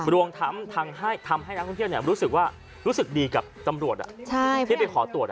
รวมทำให้นักท่านเที่ยวรู้สึกดีกับตำรวจที่ไปขอตรวจ